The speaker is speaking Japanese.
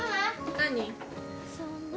何？